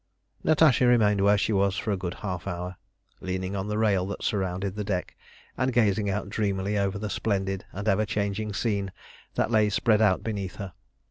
Natasha remained where she was for a good half hour, leaning on the rail that surrounded the deck, and gazing out dreamily over the splendid and ever changing scene that lay spread out beneath her.